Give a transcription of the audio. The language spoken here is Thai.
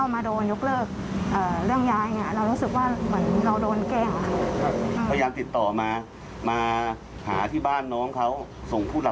ไม่คือยังไม่ได้คุยกันค่ะ